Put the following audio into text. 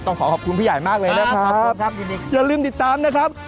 ต้องขอขอบคุณพี่ใหญ่มากเลยนะครับ